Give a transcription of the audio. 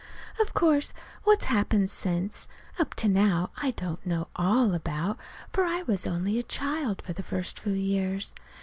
Of course what's happened since, up to now, I don't know all about, for I was only a child for the first few years.